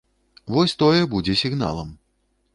Вось тое будзе сігналам.